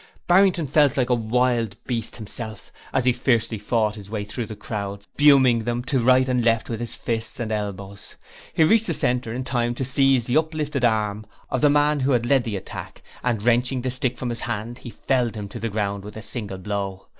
Barrington felt like a wild beast himself, as he fiercely fought his way through the crowd, spurning them to right and left with fists and elbows. He reached the centre in time to seize the uplifted arm of the man who had led the attack and wrenching the stick from his hand, he felled him to the ground with a single blow.